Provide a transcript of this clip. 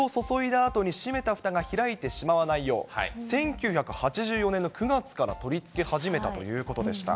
あとにしめたふたが開いてしまわないよう、１９８４年の９月から取り付け始めたということでした。